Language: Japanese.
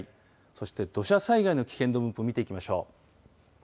そして土砂災害の危険度分布、見ていきましょう。